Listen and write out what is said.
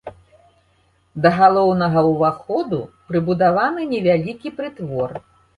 Да галоўнага ўваходу прыбудаваны невялікі прытвор.